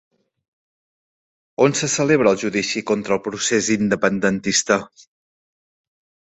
On se celebra el judici contra el procés independentista?